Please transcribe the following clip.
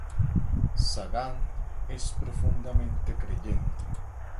Sagan es profundamente creyente.